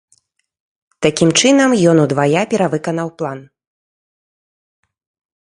Такім чынам ён удвая перавыканаў план.